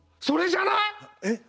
それじゃない？え？